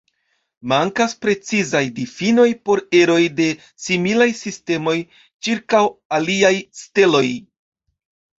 Mankas precizaj difinoj por eroj de similaj sistemoj ĉirkaŭ aliaj steloj.